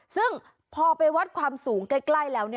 ซึ่งพอไปวัดความสูงใกล้แล้ว